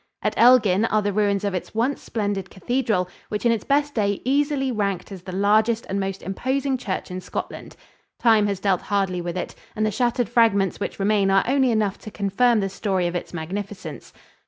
At Elgin are the ruins of its once splendid cathedral, which in its best days easily ranked as the largest and most imposing church in Scotland. Time has dealt hardly with it, and the shattered fragments which remain are only enough to confirm the story of its magnificence.